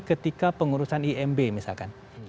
ketika pengurusan imb misalkan